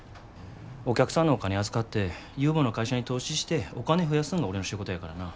お客さんのお金預かって有望な会社に投資してお金増やすんが俺の仕事やからな。